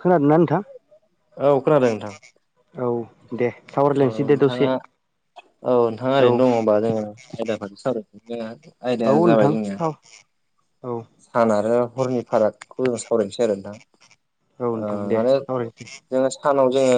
खोनादोंना नोंथां? औ खोनादों नोंथां औ दे औ सावरायलायनोसै दे दसे नोंथाङा औ नोंथाङा औ ओरैनो दङ होनबा जोङो आयदा फारसे सावराय जोङो। औ नोंथां औ सान आरो हरनि फारागखौ जों सावरायनोसै आरो नोंथां औ ओ नोंथां दे माने सावरायनोसै जोङो सानाव जोङो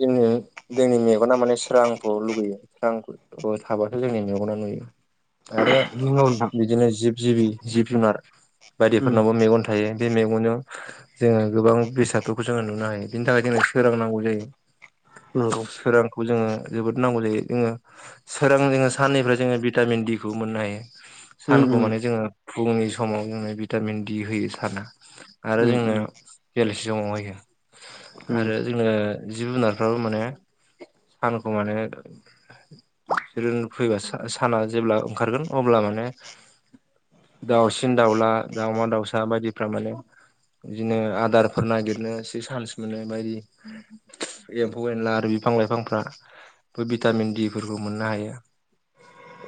जोंङो जोंनो जोंनि मेगना माने सोरांखौ लुुबैयो सोरांखौ थाबासो जोंनि मेगना नुयो आरो नंगौ नोंथां बिदिनो जिब जिबि जिब जुनार उम बायदिफोरनावबो मेगन थायो बे मेगनजों जोङो गोबां बेसादफोरखौ जोङो नुनो हायो‌। बेनि थाखाय जोङो सोरांनांगौ जायो। नंगौ सोरांखौ जोङो जोबोद नांगौ जायो जोङो सोरां जोङो साननिफ्राय जोङो भिटामिन डि खौ मोननो हायो उम सानखौ उम माने जोङो फुंनि समाव जों भिटामिन डि होयो साना। आरो उम जोंनो उम बेलासि समावहायो उम आरो जोंङो जिब जुनारफ्राबो माने सानखौ माने ज फैबा साना जेब्ला ओंखारगोन अब्ला माने दाउसिन दाउला दाउमा दाउसा बायदि फ्रा माने बिदिनो आदारफोर नागिरनो एसे सान्स मोनो बायदि एम्फौ एनला आरो बिफां लाइफांफ्रा बेयाव भिटामिन डि फोरखौ मोननो हायो।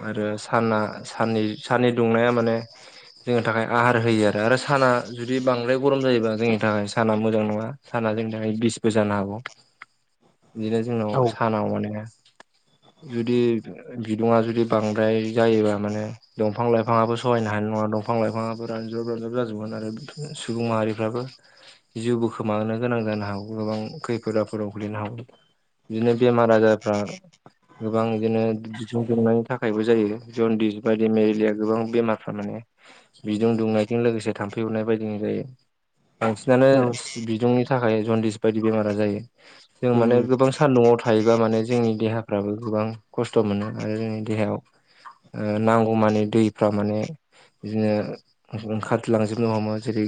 आरो साना साननि साननि दुंनाया माने जोंनि थाखाय आहार होयो आरो आरो साना जुदि बांद्राय गरम जायोबा जोंनि थाखाय साना मोजां नङा साना जोंनि बिसबो जानो हागौ। बिदिनो जोंनाव औ सानाव मानोना जुदि बिदुुंआ जुदि बांद्राय जायोबा माने दंफां लाइफांआबो सहायनो हानाय नङा दंफां लाइफाङाबो रानज्रब रानज्राब जाजोबमोन आरो बिनो सुबुं माहारिफ्राबो जिउबो खोमानो गोनां जानो हागौ गोबां खैफोद आफोदाव गोलैनो हागौ बिदिनो बेमार आजारफ्रा गोबां बिदिनो [unintelligible] थाखायबो जायो जनदिस बायदि मेलेरिया गोबां बेमार थारमाने बिदुं दुंनायजों लोगोसे थाम्फै अरनाय बायदिनो जायो बांसिनानो औ बिदुंनि थाखाय जन्दिस बायदि बेमारा जायो जों उम माने गोबां सान्दुंआव थायोबा माने जोंनि देहाफ्राबो गोबां खस्थ' मोनो आरो जोंनि देहायाव ओ नांगौमानि दैफ्रा माने बिदिनो ओंखारलांजोबनो हमो जेरै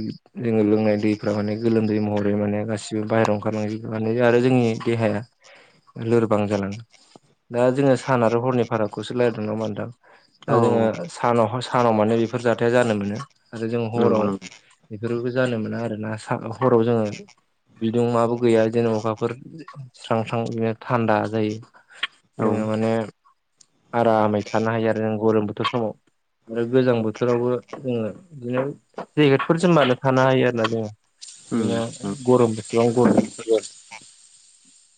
जोङो लोंनाय दैफोरा माने गोलोमदै महरै माने गासिबो बाहेरायाव ओंखारलांजोबो माने आरो जोंनि देहाया लोरबां‌ जालाङो दा जोङो सान आरो हरनि फारागखौसो रायलायदों नंङा होनबा नोंथां औ दा जोंङो सानाव सानाव माने बेफोर जाथाया जानो मोनो आरो जों हराव नंगौ बेफोरबो जानो मोना आरो ना हराव जोङो बिदिुं माबो गैया जेने अखाफोर स्रां स्रां बिदिनो थान्दा नंगौ औ जायो बि माने आरामै थानो हायो आरो जों गरम बोथोर समाव आरो गोजां बोथोरावबो जोङो बिदिनो जेकेटफोर जोमबानो थानो हायो आरोना जोङो उम बिदिनो उम गरम बोथोराव गरम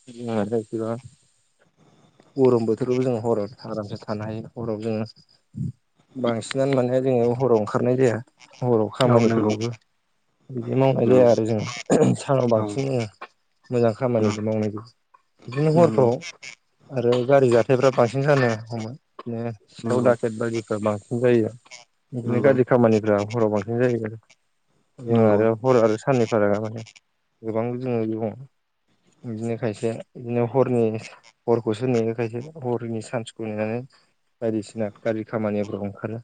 [unintelligible] गरम बोथोरावबो जोङो हराव आरामसे थानो हायो हराव जोङो बांसिनानो माने जोङो हराव ओंखारनाय जाया हराव औ नंगौ खामानिफोरखौबो बिदि मावनाय जाया आरो जों सानाव औ बांसिन जो मोजां उम खामानिखौ मावनाय बिदिनो नंगौ हरफ्राव आरो गारि जाथायफ्रा बांसिन जानो हमो। बिदिनो सिखाव नंगौ दाखेट बायदिफोरा बांसिन जायो बिदिनो नंगौ गाज्रि खामानिफ्रा हराव बांसिन जायो आरो जों नंगौ आरो हर आरो साननै फारागा माने गोबां जोङो बे दङ बिदिनो खायसे बिदिनो हरनि हरखौसो नेयो खायसे‌ हरनि सान्सखौ नेनानै बायदिसिना गाज्रि खामानिफोराव ओंखारो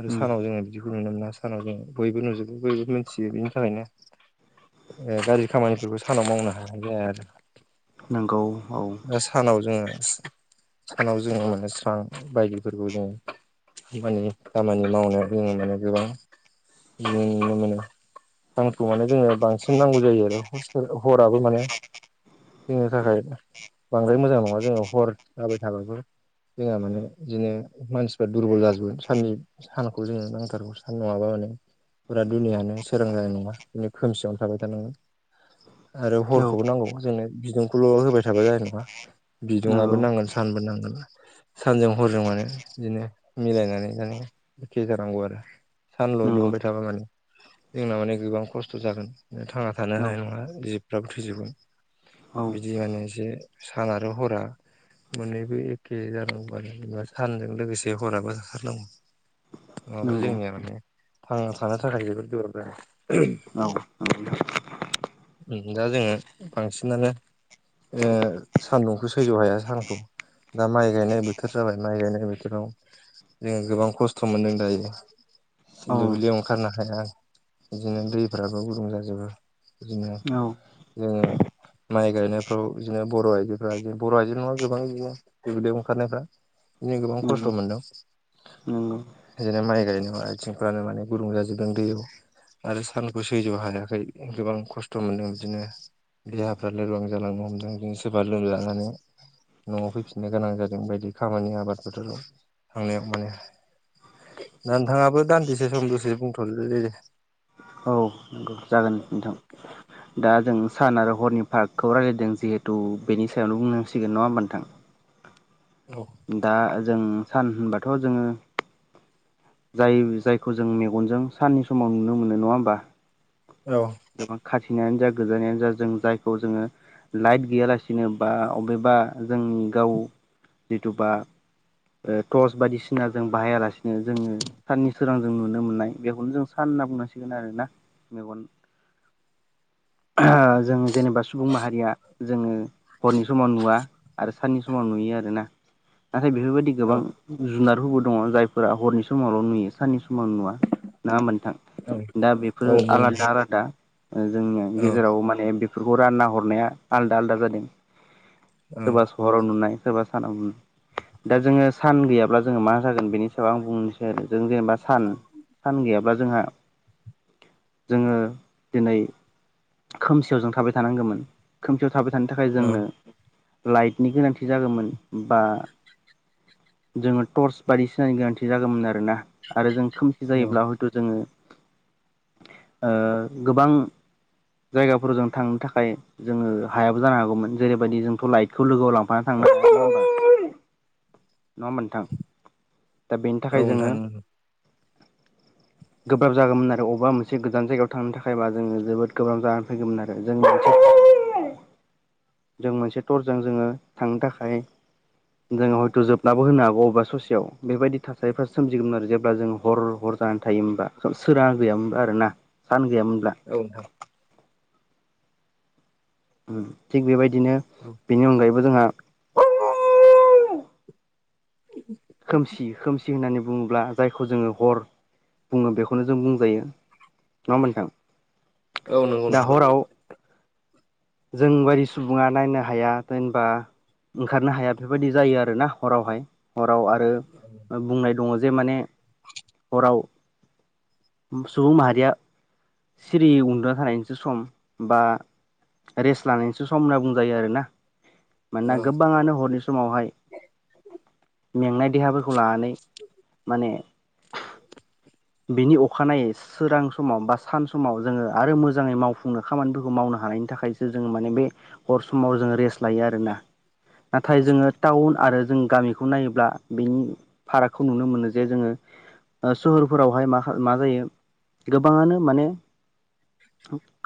आरो उम सानाव जोङो बिदिखौ नुनो मोना सानाव जोङो बयबो नुजोबो बयबो मिथियो बिनि थाखायनो गाज्रि खामानिफोरखौ सानाव मावनो हानाय जाया आरो नोंगौ औ सानाव जोङो सि सानाव जोङो स्रां बायदिफोरबो जोङो खानि खामानि मावनायाव जोङो माने गोबां नुनो मोनो आंखौ माने जोङो बांसिन नांगौ जायो आरो हराबो माने जोंनि थाखाय बांद्राय मोजां नङा जोङो हर जाबाय थाबाबो जोंहा माने बिदिनो मानसिफ्रा दुरबल जाजोबगोन साननि सानखौ जोङो नांथारगौ सान नङाबा माने फुरा दुनियानो सोरां जानाय नङा बिदि खोमसियावनो थाबाय थानांगोन आरो हरखौबो नांगौमोन जोंनो बिदुंखौल' होबाय थाबा जानाय नङा नंगौ बिदुङआो नांगोन सानबो नांगोन सानजों हरजों मानो बिदिनो मिलायनानै जानो एखे जानांगौ आरो सानल' नंगौ दुंबाय थाबाय माने जोंना माने गोबां खस्थ' जागोन थांना थानो औ हानाय नङा जिबफ्राबो थैजोबगोन औ बिदि माने एसे सान आरो हरा मोननैबो एखे जानांगौबा जेनेबा सानजों लोगोसे हराबा जारलां नङाबा नंगौ जोंनिया माने थांना थानो थाखाय जोबोद गोब्राब जागोन। औ औ दा जोङो बांसिनानो ओ सान्दुंखौ सैज्य' हाया सानखौ दा माइ गायनाय बोथोर जाबाय माइ गायनाय बोथोराव जोंङो गोबां खस्थ' मोनदों दायो औ दुब्लियाव ओंखारनो हाया आं बिदिनो दैफ्राबो गुदुं जाजोबो बिदिनो जोंङो माइ गायनायफ्राव बिदिनो बर' आइदिफ्रा इदि बर' आइजो नङा गोबां बिदिनो दुब्लियाव ओंखारनायफ्रा बिदिनो गोबां खस्थ' नंगौ मोनदों। नंगौ। बिदिनो माइ गायनायाव आथिंफ्रानो माने गुदुं जाजोबदों दैयाव आरो सानखौ सैज्य हायाखै गोबां खस्थ' मोनदों बिदिनो देहाफ्रा लोरबां जालांनो हमदों बिदिनो सोरबा लोमजानानै न'आव फैफिननो गोनां जादों बायदि खामानि आबाद फोथाराव थांनायाव माने दा नोंथाङाबो दान्दिसे सम दसे बुंथ' दे औ जागोन नोंथां दा जों सान आरो हरनि पार्कखौ रायज्लायदों जिहेथु बेनि सायावनो बुंनांसिगोन नङा होमबा नोंथां औ दा जों सान होनबाथ' जोंङो जाय जायखौ जों मेगनजों साननि समाव नुनो मोनो नङा होमबा औ गोबां खाथिनायानो जा गोजोननायानो जा जों जायखौ जोंङो लाइट गैयालासिनो बा अबेबा जोंनि गाव जिथुबा ओ टर्स बायदिसिना जों बाहायालासिनो जोंङो साननि सोरां जों नुनो मोन्नाय बेखौनो जों सान होनना बुंनांसिगोन आरोना मेगन [inaudible] जों जेनेबा सुबुं माहारिया जोंङो हरनि समाव नुवा आरो साननि समाव नुयो आरोना नाथाय बेफोरबायदि औ गोबां जुनारफोरबो दङ जायफोरा हरनि समावल' नुयो। साननि समाव नुवा नङा होमबा नोंथां दा औ बेफोरो आलादा आलादा ओ जोंनो गेजेराव माने बेफोरखौ रानना हरनाया आलदा आलदा जादों। औ सोरबा सहराव नुनाय सोरबा सानाव नुनाय दा जोंङो सान गैयाब्ला जोंङो मा जागोन बेनि सायाव आं बुंनोसै आरो जों जेनेबा सान सान गैयाब्ला जोंहा जोंङो दिनै खोमसियाव जों थाबाय थानांगौमोन। खोमसियाव थाबाय थानो थाखाय जोंनो औ लाइटनि गोनांथि जागौमोन बा जोंङो टर्च बायदिसिनानि गोनांथि जागौमोन आरोना आरो जों खोमसि औ जायोब्ला हथ जोंङो ओ गोबां जायगाफोराव जों थांनो थाखाय जोंङो हायाबो जानो हागौमोन जेरैबायदि जोंथ' लाइटखौ लोगोआव लांफानानै थांनो हागौ नङा होमबा नोंथां दा बेनि औ थाखाय नोंथां जोंङो [inaudible] गोब्राब जागौमोन आरो अबेबा मोनसे गोजान जायगायाव थांनो थाखायबा जोंङो जोबोद गोब्राब जानानै फैगौमोन आरो जों मोनसे जों मोनसे टरजों जोंङो थांनो थाखाय जोंङो हयथ' जोबना बब होना हागौ अबेबा ससेयाव बेबायदि थासारिफ्रा सोमजगोमोन आरो जेब्ला जों हर हर जानानै थायोमोन बा स सोराङा गैयामोनब्ला आरो ना सान गैयामोनब्ला औ नोंथां थिग बेबायदिनो बेनि अनगायैबो जोंहा खोमसि खोमसि होननानै बुङोब्ला जायखौ जोंङो हर बुङो बेखौनो जों बुंजायो। नङा होमब्ला नोंथां औ औ नंगौ दा हराव जोंबायदि सुबुङा नायनो हाया जेनबा ओंखारनो हाया बेफोरबायदि जायो आरो ना हरावहाय हराव आरो बुंनाय दङ जे माने हराव सुबुं माहारिया सिरियै उन्दुना थानायनिसो सम बा रेस्ट लानायसो सम होनना बुंजायो आरो ना मानोना नोंथां गोबाङानो हरनि सम समावहाय मेंनाय देहाफोरखौ लानानै माने बिनि अखानायै सोरां समाव बा सान समाव जोङो आरो मोजाङै मावफुंनो खामानिफोरखौ मावनो हानायनि थाखायसो जोङो माने बे हर समाव जोङ रेस्ट लायो आरोना नाथाय जोङो टाउन आरो जों गामिखौ नायोब्ला बेनि फारागखौ नुनो मोनो जे जोङो सह फोरावहाय म मा जायो गोबाङानो माने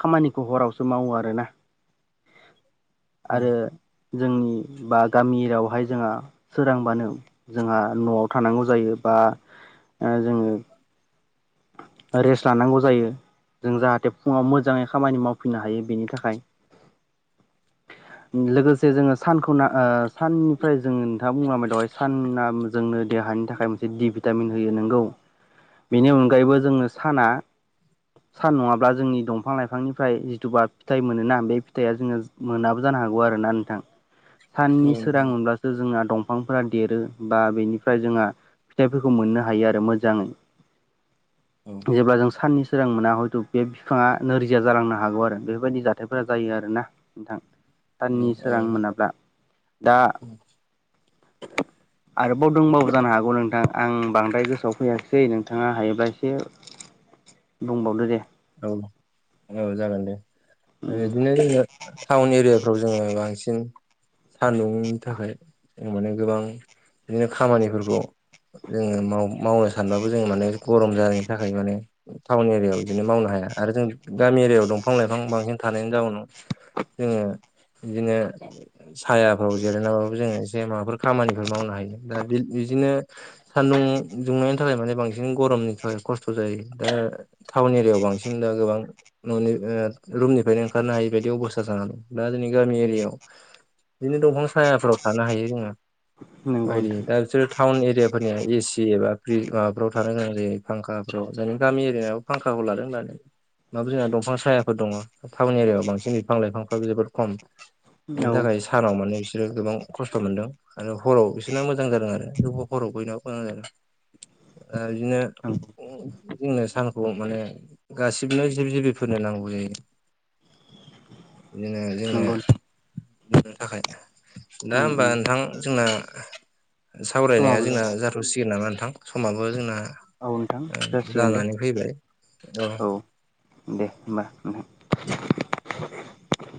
खामानिखौ हरावसो मावो आरोोना औ आरो जोंनि बा गामि रावहाय जोंहा सोरांबानो जोंहा न'आव थानांगौ जायो बा जोङो रेस्ट लानांगौ जायो जों जाहाथे फुङाव मोजाङै खामानि मावफिननो हायो बेनि थाखाय लोगोसे जोङो सानखौना साननिफ्राय जोङो नोंथाङा बुंलाबाय दावहाय साना जोंनो देहानि थाखाय मोनसे दि भिटामिन होयो नोंगौ बेनि उनग अनगायबो जोंनो साना सान नङाब्ला जोंनि दंफां लाइफांनिफ्राय जिथुबा फिथाइ मोनोोना बे फिथाइआ जोङो मोनाबो जानो हागौ आरोना नोंथां औ साननि नोंथां सोरां मोनब्लासो जोंना दंफांफोरा देरो बा बेनिफ्राय जोंहा फिथाइफोरखौ मोननो हायो आरो मोजाङै औ जेब्ला जों साननि सोरां मोना हयथ' बे बिफाङा नोरजिया जालांनो हागौ आरो बेफोरबायदि जाथायफोरा जायो आरोना नोंथां साननि औ सोरां मोनाब्ला दा द आरोबाव दंबो जानो हागौ नोंथां आं बांद्राय गोसोआव फैयिसै नोंथाङा हायोब्ला एसे बुंबावदो दे औ औ जागोन दे उम बिदिनो जो टाउन एरियाफ्राव जोङो बांसिन सान्दुंनि थाखाय जों माने गोबां बिदिनो खामानिफोरखौ जोङो मावनो सानबाबो जों माने गरम जानायनि थाखाय माने टाउन एरियायाव बिदिनो मावनो हाया आरो जों गामि एरियायाव दंफां लाइफां बांसिन थानायनि जाउनाव जोङो बिदिनो सायाफ्राव जिरायनानैाबाबो जोङो एसे माबाफोर खामानिफोर मावनो हायो दा बिदिनो सान्दुं दुंनायनि थाखाय माने बांसिन गरमनि थाखाय खस्थ' जायो दा टाउन एरियायाव बांसिन दा गोबां न'नि रुमनिफ्रायनो ओंखारनो हायि बायदि अबस्था जानो दं दा जोंनि गामि एरियायाव बिदिनो दंफां सायाफोराव थानो हायो जोङो नंगौ दि दा नोंथां बिसोरो टाउन एरियाफोर जनिया एसि एबा फ्रि माबाफ्राव थानो गोनां जायो फांखाफ्राव जों गामि एरियाव फांखाखौ लादों होननानै माबोर जोंना दंफां सायाफोर दङ टाउन एरियायाव बांसिन बिफां लाइफांफ्राबो जोबद खम बेनि औ थाखाय सानाव माने बिसोरो गोबां खस्थ' मोनदों आरो हराव बिसोरना मोजां जादों आरो हराव गन मोजां जादों आरो बिदिनो नंगौ जोंनो सानखौ माने गासिबोनो जिब जिबिफोरनो नांगौ जायो बिदिनो जोङो नंगौ नोंथां बिनो थाखाय दा उम होमबा उम नोंथां जोंना सावरायनाया समाबो जोंना जाबाय जाथ थुसिगोन नामा नोंथां समाबो जोंना औ नोंथां जासिगोन दे अ औ दे होनबा नोंथां।